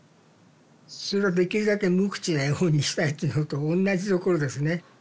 それはできるだけ無口な絵本にしたいっていうのとおんなじところですね。